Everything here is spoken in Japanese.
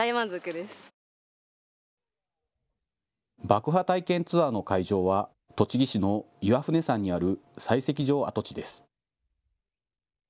爆破体験ツアーの会場は栃木市の岩船山にある採石場跡地です。